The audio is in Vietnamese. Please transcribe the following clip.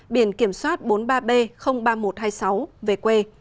biển kiểm soát bốn mươi ba b ba nghìn một trăm hai mươi sáu về quê